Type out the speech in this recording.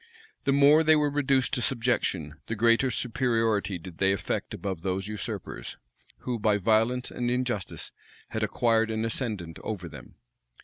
The more they were reduced to subjection, the greater superiority did they affect above those usurpers, who, by violence and injustice, had acquired an ascendant over them.